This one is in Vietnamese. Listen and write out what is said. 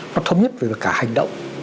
nó thống nhất về cả hành động